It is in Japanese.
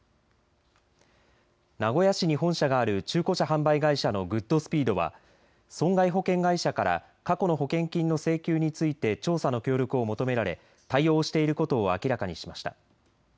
名古屋市に本社がある中古車販売会社のグッドスピードは損害保険会社から過去の保険金の請求について調査の協力を求められ対応していることを明らかにしました。